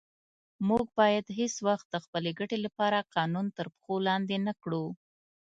موږ باید هیڅ وخت د خپلې ګټې لپاره قانون تر پښو لاندې نه کړو.